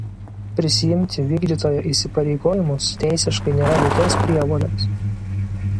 Prisiimti vykdytojo įsipareigojimus teisiškai nėra jokios prievolės.